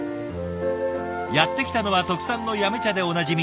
やって来たのは特産の八女茶でおなじみ